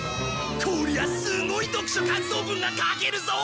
こりゃすごい読書感想文が書けるぞ！